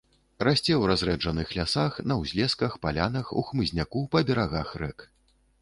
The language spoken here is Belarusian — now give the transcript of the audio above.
Расце ў разрэджаных лясах, на ўзлесках, палянах, у хмызняку па берагах рэк.